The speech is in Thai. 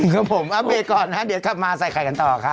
ครับผมอัปเดตก่อนนะเดี๋ยวกลับมาใส่ไข่กันต่อครับ